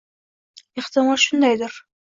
Ehtimol shundaydir.